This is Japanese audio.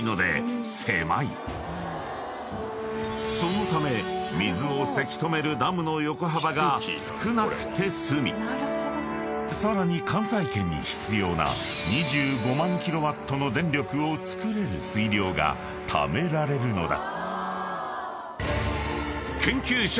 ［そのため水をせき止めるダムの横幅が少なくて済みさらに関西圏に必要な２５万ｋＷの電力をつくれる水量がためられるのだ］